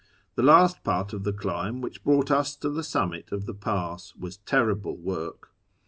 The last part of the climb which brought us to the summit of the pass was terrible work.